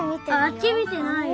あっちみてないよ。